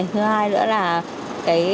thứ hai nữa là